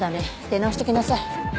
出直してきなさい。